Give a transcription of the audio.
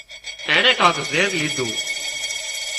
اينڻي ڪانڪ زهر ليڌُون